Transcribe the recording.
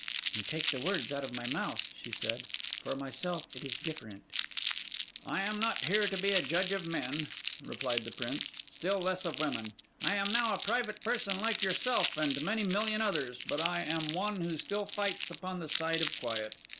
'You take the words out of my mouth,' she said. 'For myself, it is different.' 'I am not here to be a judge of men,' replied the Prince; 'still less of women. I am now a private person like yourself and many million others; but I am one who still fights upon the side of quiet.